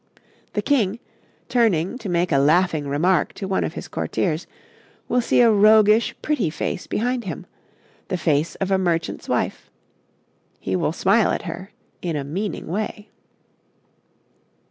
The King, turning to make a laughing remark to one of his courtiers, will see a roguish, pretty face behind him the face of a merchant's wife; he will smile at her in a meaning way.